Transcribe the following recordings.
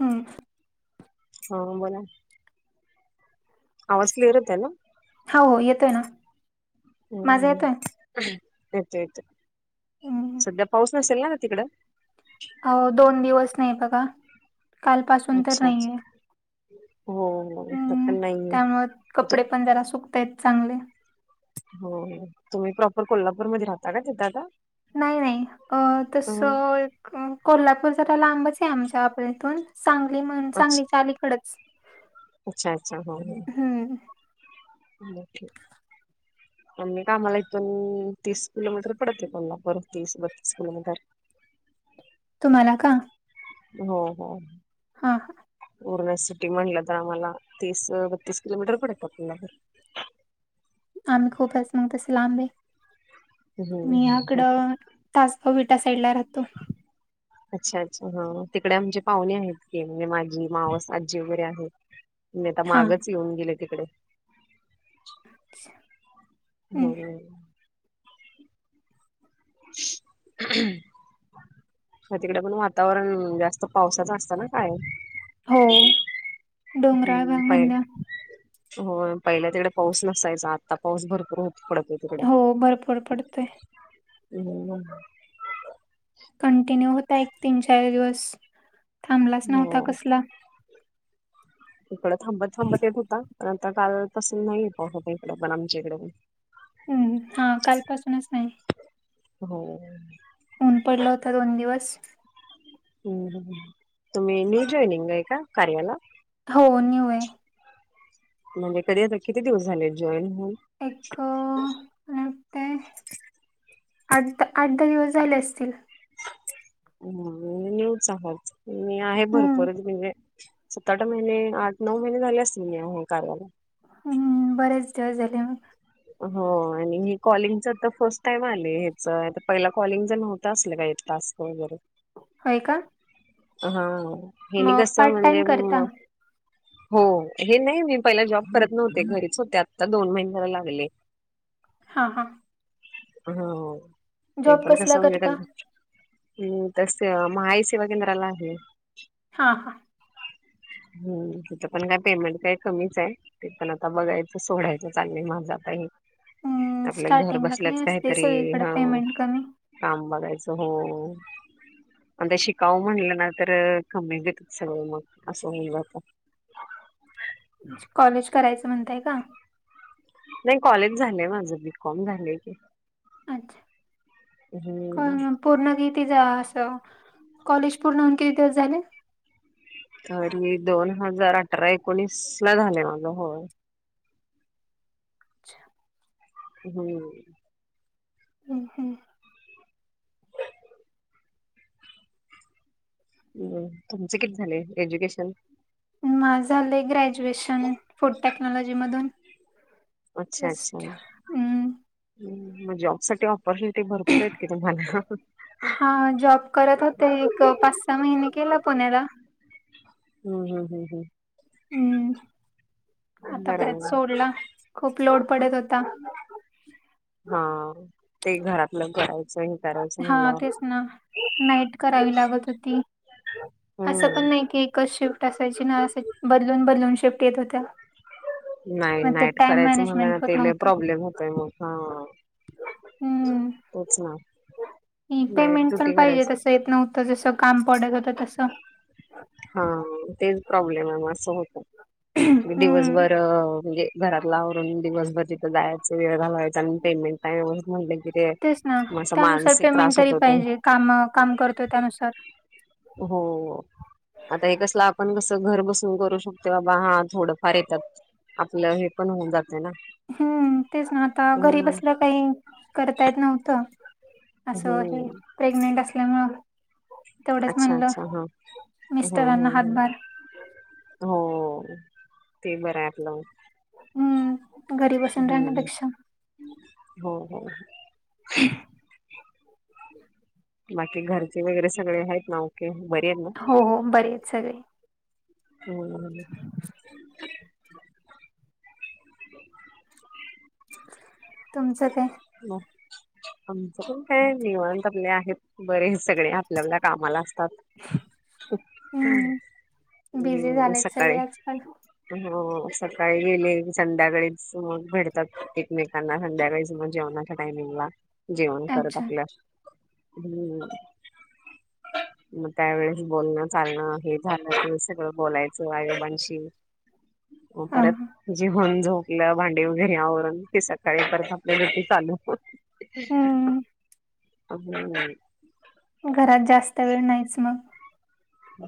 हम्म. हो बोला. आवाज क्लिअर येते ना. हा हो येतोय ना, माझा हम्म येतोय? येतोय येतोय, हम्म. सध्या पाऊस नसेल ना तिकडं? अ दोन दिवस नाही बघा, कालपासून तर अच्छा अच्छा नाहीये. हो हो. इथं पण नाही. त्यामुळं कपडे पण जरा सुकतात चांगले. हो, तुम्ही प्रॉपर कोल्हापूरमध्ये राहता का तिथं आता? नाही नाही, अ हं तसं कोल्हापूर जरा लांबच आहे आमच्या प इथून. सांगली म्हण अच्छा सांगलीच्या आलीकडच अच्छा अच्छा हम्म, अके [inaudible] [inaudible] मग मी कामाला येथून तीस किलोमीटर पडतते पला पर तीस बत्तीस किलोमीटर. तुम्हाला का, हो हो, हा हा, पूर्ण सिटी म्हणलं तर आम्हाला तीस बत्तीस किलोमीटर पडेेत आपला. आम्ही खूप मग तसे लांबे. हम्म मी याकड तासगाव विटा साईड ला राहतो. अच्छा अच्छा हा तिकडे आमचे पाहुणे आहेत ते म्हणजे माझी मावस आजी वगैरे आहेत. मी आता हा मागच येऊन गेले तिकडे. हम्म. होय होय. ह [inaudible] तिकडे पण वातावरण जास्त पावसाचं असतं ना कायम. हो, पै, डोंगराळ भाग म्हणलं [unintelligible] हो पहिल्या तिकडे पाऊस नसायचा आता पाऊस भरपूर होत पडत हो भरपूर पडतय. हम हम, भरपूर. कंटिन्यू होता एक तीन चार दिवस. थांबलाच हो, नव्हता कसला [inaudible] इकडं थांबत थांबत येत होता. पण आता कालपसून नाही प होत इकड पण आमच्या इकडे. हम्म हा, कालपासूनच नाही. हो, ऊन पडला होता दोन दिवस. हम हम, तुम्ही मी जॉईनिंग आहे का कार्याला. हो न्यू आहे. म्हणजे कधी आता किती दिवस झाले जॉईन होन. एकको मला वाटतं. आठ आठ दहा दिवस झाले असतील. ह नेऊच आवाच मी आहे हम्म भरपरच म्हणजे. सत आठ महिने आठ नऊ महिने झाले असतील मी कार्याला. हम्म हम्म. बरेच झाले मग. हो आणि हे कॉलिंगच तर फर्स्ट टाइम आले हच पहिला कॉलिंग जर नव्हतं असलं काय तास. कोण झाले. होय का, हा हेनी मग कसं पार्ट टाइम म्हणजे करता म ''--'' हो हे नाही मी पहिला जॉब करत नव्हते घरीच होते. आत्ता दोन महिन्याला लागले. हा हा, [unintelligible] हो ते जॉब पण कसला कसं म्हणजे करता हम्म, तस महाई सेवा केंद्राला आहे. हा हा, हम्, तिथं पण काय पेमेंट काय कमीच आहे. ते पण आता बघायचं सोडायच चांगलं माझा. का [unintelligible] हम्म, आपल्या घर स्टार्टिंगला बसल्याच काही असते काहीतरी सगळीकडे हं बाबा. पेमेंट कमी काम बघायचं हो. म्हणजे शिकावं म्हणलं ना तर कमी घेतात सगळं मग असं होऊन जात. म्हणजे कॉलेज करायचं म्हणताय का? नाही, कॉलेज झालंय माझं. बीकॉम झालंय की. अच्छा [unintelligible] को हम्म म. पूर्ण किती जा असं कॉलेज पूर्ण होऊन किती दिवस झाले? तरी दोन हजार अठरा, एकोणीस ला झालंय माझं होय. अच्छा. हम्म. हम्म हम्म. हम्म, तुमचं किती झाले एज्युकेशन? माझं झालंय ग्रॅज्युएशन फूड टेक्नॉलॉजी मधून. अच्छा, अच्छा. जस्ट हम्म मग जॉब साठी ऑपॉर्च्युनिटी भरपूर आहेत की तुम्हाला. हा जॉब करत होते. एक पाच-सहा महिने केलं पुण्याला. हम् हम् हम् हम्. हम्म. हम्म बरं तोपर्यंत [unintelligible] सोडला खूप लोड पडत होता. हा. ते घरातलं करायचं. करायचं हा, म्हणल्यावर तेच ना नाईट करावी लागत होती. असं पण हम्म नाही की एकच शिफ्ट असायची ना, असाय बदलून बदलून शिफ्ट येत होत्या. नाही, मग ते नाईट टाइम करायचं म्हला मॅनेजमेंट ना होत ते लयं नव्हतं प्रॉब्लेम होतंय मग हा. तुच ना. ह [inaudible] नाईट पेमेंट पण ड्युटी पाहिजे करायच तस येत नव्हतं, जस काम पडत होत तसं. हा, तेच प्रॉब्लेम आहे मग असं होतं मी हम्म दिवसभर म्हणजे घरातलं आवरून दिवसभर तिथं जायचं, वेळ घालवायचा आणि पेमेंट टाईम वर म्हटलं की ते तेच ना असा त्यानुसार मानसिक पेमेंट त्रास होत तरी होता पाहिजे कामाव काम करतोय त्यानुसार. हो. आता हे कसलं आपण कसं घर बसून करू शकतो, बाबा हा थोडंफार येतात. आपलं हे पण होऊन जातंय ना. हम्म, तेच ना आता घरी हम्म बसलं काही करता येत नव्हतं. असं हे हम्म प्रेग्नेंट असल्यामुळं. तेवढंच अच्छा म्हणलं अच्छा हा हम्म मिस्टरांना हम्म हम्म. हातभार. हो ते बराय आपलं. हम्म. घरी हम् बसून हम्. राहण्यापेक्षा हो हो. ह [inaudible] बाकी घरचे वगैरे सगळे आहेत ना बरे आहेत ना? हो हो. बरे आहेत सगळे. हो. [inaudible] तुमचं काय? मग आमचं पण काय निवांत आपले आहेत बरेयं सगळे. आपल्या आपल्या कामाला असतात. हम्म बिझी झालेतं सगळे आजकाल. हो हो सकाळी गेले संध्याकाळीचं मग भेटतात एकमेकांना संध्याकाळीस म जेवणा टामिंग जेवण करत अच्छा आपल्या, हम्. मग कायं वेळच बोलणं, चालणं हे झालं सगंळ बोलायचं आई आजोबांशी‌, म हा हा. परत जेवण झोप लं भांडी वगैरे आवरून ते सकाळी परत आपल्या घरती चालू. हम्म हम् [unintelligible] घरात जास्त वेळ नाहीच मग.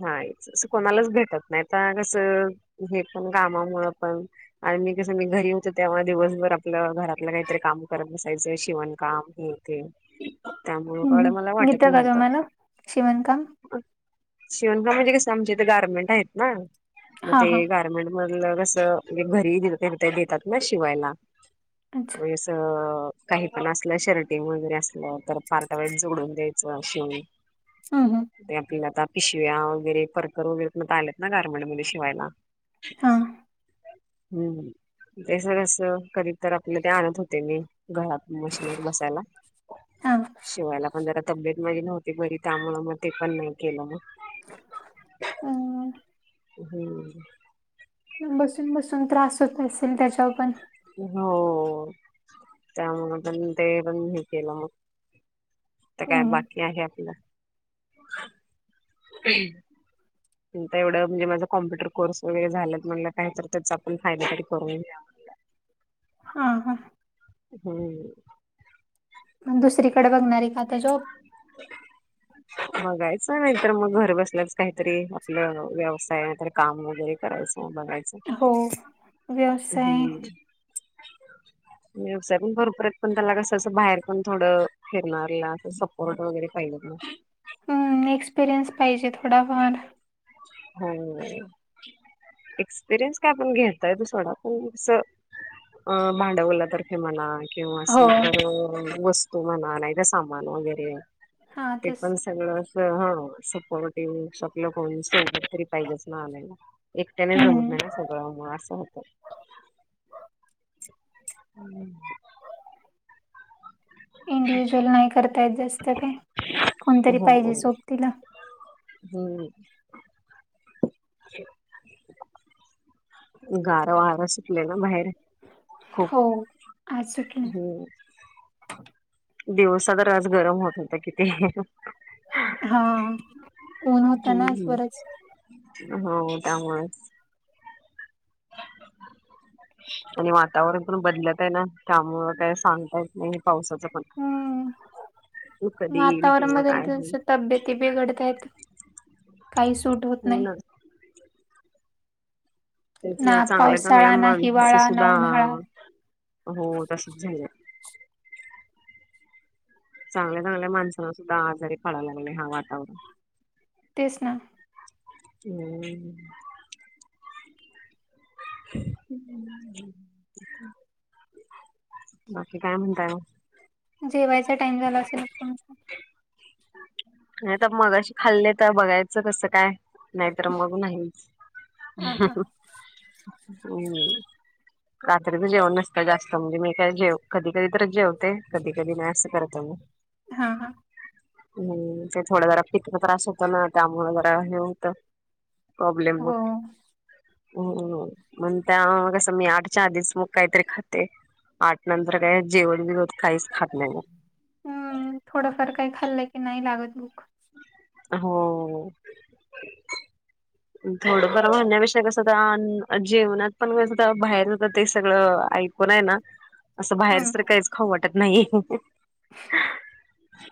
हायचं अस कोणालाच भेटत नाही आता कसं हे पण कामामुळं पण. आणि कसं मी घरी होते त्यामुळे दिवसभर आपलं घरातलं काहीतरी काम करत बसायचे शिवणकाम हे ते. त्यामुळे थोडं मला हम्म येत वाटत कां नव्हतं तुम्हाला शिवणकाम? शिवणकाम म्हणजे कसं आमचे इथे गारमेंट आहेत ना मग हा ते हा गारमेंट म्हटलं कसं हे घरी [unintelligible] देतात ना शिवायला. अच्छा वैस काही पण असलं शर्टिंग वगैरे असलं तर पार्टा वाईज जोडून द्यायचं शिवुन. हा हा. ते आपल्यात आता पिशव्या वगैरे परकर वगैरे पण आता आलेत ना गार्मेंटमध्ये शिवायला. हा हम्म, हम्म तेचं कसं करी तर आपलं ते आणत होते मी घरात मशीनवर बसायला. हा शिवायला पण जरा तब्येत माझी नव्हती बरी त्यामुळ मग ते पण नाही केलं मं. [inaudible] हम् हम्. हम्म. बसून बसून त्रास होत असेल त्याच्यावर पण. हो त्यामुळ पण ते पण हे केलं मग. त्या काय हम्म बाटल्या हेे आपलं. [inaudible] [unintelligible] [inaudible] एवढं म्हणजे माझा कॉम्प्युटर कोर्स वगैरे झालात म्हटलं कायं तर त्याचा आपण फायदा तरी करून घ्याव. हा हा. हम्म. [inaudible] म दुसरीकडे बघणारं एखादा जॉब? [inaudible] बघायचंयं नाहीतर मग घर बसल्याच काहीतरी आपलं व्यवसाय. काम वगैरे करायचं बघायचं. हो व्यवसाय. हम्म व्यवसाय पण भरपूर आहेत पण त्याला कसं असं बाहेर पण थोडं फिरणारेला असं सपोर्ट वगैरे पाहिलंत ना. हम्म एक्सपिरियन्स पाहिजे थोडाफार. हम्म. एक्सपिरियन्स काय आपण घेता येतो सोडा अस. अ भांडवला तर्फे म्हणा. किंवा हो असेलं तर वस्तू म्हणा नाहीतर सामान वगैरे. हा ते तेच पण सगळं अस हा सपोर्टिव्ह शकलं कोणी सं. काहीतरी पाहिजेज ना आपल्याला एकट्याने जमत नाही ना हम्म सगळ मुळ असं होतं. [inaudible] हम्. इंडिव्हिड्युअल नाही करता येत जास्त काय, कोणतरी हो पाहिजे सोबतिला. हम्म गारं वार सुटलाययं ना बाहेर खूप हो आज सुटलंयं हम्म दिवसा तर आज गरम होत होत किती हा ऊन होत ना बरच हा त्यामुळेच [unintelligible] आणि वातावरण पण बदलत आहे ना त्यामुळ काय सांगता नाही पावसाच पण तो हम्म कधी येईल वातावरण किंवा काय होईल बदलत तब्येत बेघडतायत काही सूट होत हो नाही ना तेच ना चांगल्या चांगल्या पावसाळा ना माणसं हिवाळा ना सुद्धा उन्हाळा हो तसच झालंय चांगल्या चांगल्या माणसांना सुद्धा आजारी पडायला लागलय हा वातावरण तेच ना हम्म बाकी काय म्हणताय जेवायचा टाईम झाला असेल कोणाचा नाही आता मगाशी खाल्ले तर बघायचं कसं काय नाहीतर मग नाहीच आ हा हम्म रात्री तर जेवण नसत जास्त म्हणजे मी काय जेव कधी कधी तरच जेवते कधी कधी नाही असं करत तव [inaudible] हा हा हम्म ते थोडं जरा पिताचा त्रास होत ना त्यामुळ जरा हे होत प्रॉब्लेम हो होतोय हो मग त्या कसं मी आठच्या आधीच मग काहीतरी खाते आठ नंतर काय जेवण बिन काहीच खात नाही मग हम्म थोडंफार काही खाल्लंय की नाही लागत भुक हो थोडंफार म्हणण्यापेक्षा कसं हो जेवणत पण कस बाहेर जात ते सगळं ऐकून आहे ना [unintelligible] असं बाहेर तर हम्म काहीच खाऊ वाटत नाही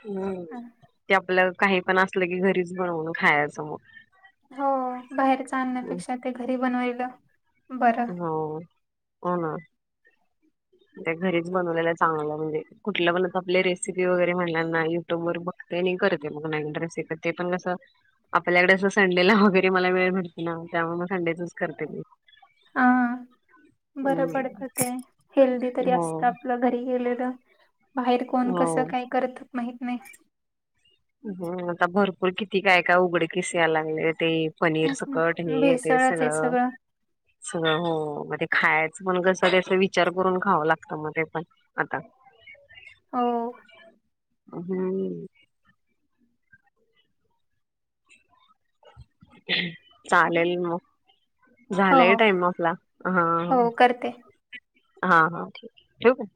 हम्म ते आपल्या काही पण असलं की घरीच बनवून खायच मग हो बाहेरच आणण्यापेक्षा ते घरी बनवायलं हो हो ना त्या घरीच बनवलेला चांगलं म्हणजे कुठलं पण आपले रेसिपी वगैरे म्हणणार ना युट्यूब वर बघते आणि करते मग नाही नवीन‌ रेसिपी ते पण कसं आपल्याकडे असं संडेला वगैरे मला मिळेल भेटते ना त्यामुळे मग संडेचच करते हा बर पडत हम्म ते हेल्दी तरी हो असत आपलं घरी गेलेलं बाहेर कोण कसं हो. काय करत माहीत नाही हम आता भरपूर किती काय काय उघडकीस यायले लागलेत ते पनीर तेच सुकट ना हे ते भेसळच आहे सगळं हो मग खायचं पण कसं त्यास विचार करून खावं लागतं मग ते पण आता हो हम् [inaudible] चालेल मग हो झालाय हो टाईम आपला ह. हो करते. हा हा ठीक आहे. ठेवू काय?